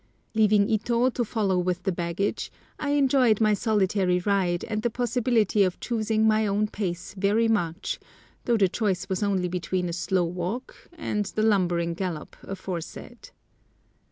Leaving Ito to follow with the baggage, I enjoyed my solitary ride and the possibility of choosing my own pace very much, though the choice was only between a slow walk and the lumbering gallop aforesaid.